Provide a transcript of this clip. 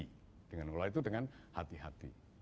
mengelola itu dengan hati hati